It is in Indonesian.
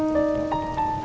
ya enggak apa apa